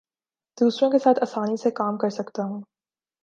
دوسروں کے ساتھ آسانی سے کام کر سکتا ہوں